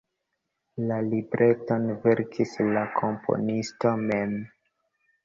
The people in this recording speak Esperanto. La libreton verkis la komponisto mem.